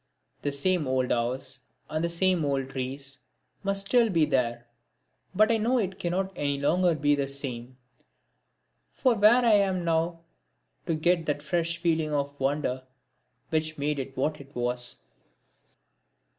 The same old house and the same old trees must still be there, but I know it cannot any longer be the same for where am I now to get that fresh feeling of wonder which made it what it was?